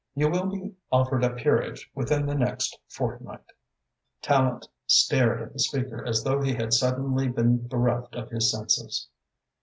You will be offered a peerage within the next fortnight." Tallente stared at the speaker as though he had suddenly been bereft of his senses.